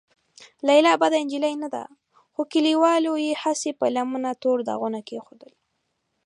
لیلا بده نجلۍ نه ده، خو کليوالو یې هسې په لمنه تور داغونه کېښودل.